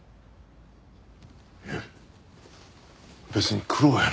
いえ別に苦労やなんて。